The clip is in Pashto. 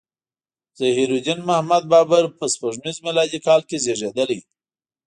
ظهیرالدین محمد بابر په سپوږمیز میلادي کال کې زیږیدلی.